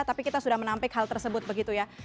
tapi kita sudah menampik hal tersebut begitu ya